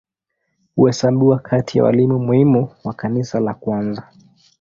Huhesabiwa kati ya walimu muhimu wa Kanisa la kwanza.